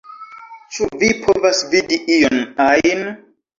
Ĉu vi povas vidi ion ajn?